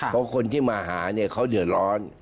เพราะคนที่มาหาเนี่ยเขาเดือดร้อน